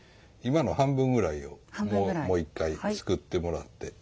今の半分ぐらいをもう一回すくってもらって。